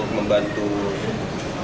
dan membantu mereka